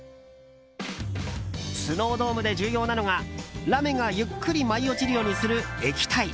スノードームで重要なのがラメがゆっくり舞い落ちるようにする液体。